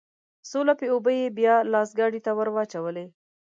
څو لپې اوبه يې بيا لاس ګاډي ته ورواچولې.